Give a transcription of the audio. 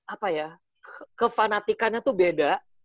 apa ya kefanatikannya itu beda